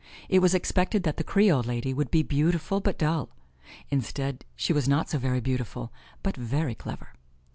It was expected that the Creole lady would be beautiful but dull; instead, she was not so very beautiful, but very clever.